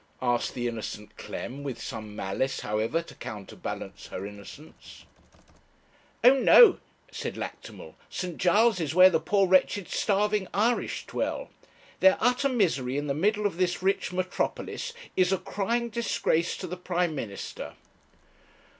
asked the innocent Clem, with some malice, however, to counterbalance her innocence. 'O no!' said Lactimel. 'St Giles' is where the poor wretched starving Irish dwell. Their utter misery in the middle of this rich metropolis is a crying disgrace to the Prime Minister.'